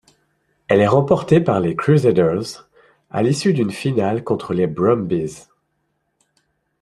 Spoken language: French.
Elle est remportée par les Crusaders à l'issue d'une finale contre les Brumbies.